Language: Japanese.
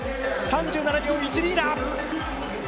３７秒１２だ！